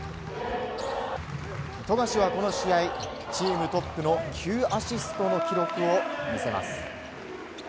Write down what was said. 富樫は、この試合チームトップの９アシストの記録を見せます。